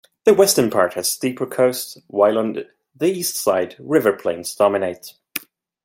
The western part has steeper coasts, while on the east side river plains dominate.